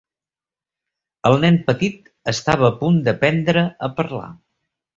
El nen petit estava a punt d'aprendre a parlar.